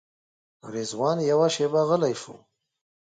رضوان یوه شېبه غلی شو.